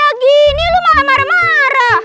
orang lagi pada kayak gini lu malah marah marah